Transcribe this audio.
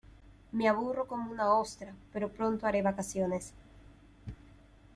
Me aburro como una ostra, pero pronto haré vacaciones.